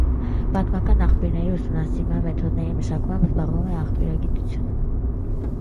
Պատմական աղբյուրների ուսումնասիրման մեթոդների մշակմամբ զբաղվում է աղբյուրագիտությունը։